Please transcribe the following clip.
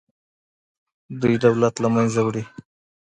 دوی دولت له منځه وړي.